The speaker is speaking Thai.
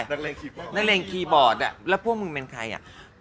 นักเล่นคีย์บอร์ดนักเล่นคีย์บอร์ดอ่ะแล้วพวกมึงเป็นใครอ่ะ